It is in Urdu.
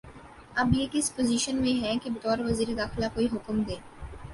اب یہ کس پوزیشن میں ہیں کہ بطور وزیر داخلہ کوئی حکم دیں